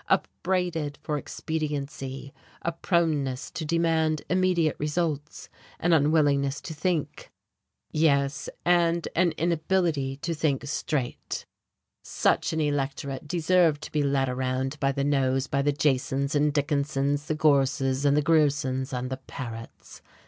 upbraided for expediency, a proneness to demand immediate results, an unwillingness to think, yes, and an inability to think straight. Such an electorate deserved to be led around by the nose by the Jasons and Dickinsons, the Gorses and the Griersons and the Parets.